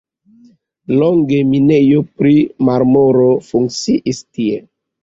Longe minejo pri marmoro funkciis tie.